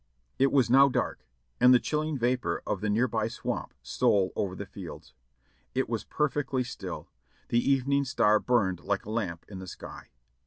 It was now dark and the chilling vapor of the near by swamp stole over the fields. It was perfectly still ; the evening star burned like a lamp in the sky.